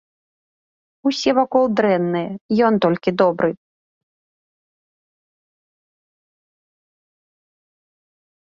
Усе вакол дрэнныя, ён толькі добры.